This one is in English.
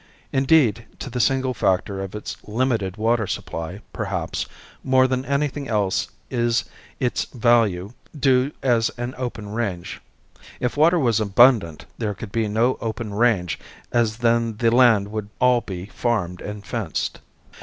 Indeed, to the single factor of its limited water supply, perhaps, more than anything else is its value due as an open range. If water was abundant there could be no open range as then the land would all be farmed and fenced.